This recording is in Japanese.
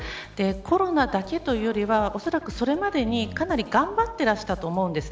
コロナだけというよりはおそらく、それまでにかなり頑張ってらしたと思うんです。